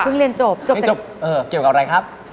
เกี่ยวกับอะไรครับ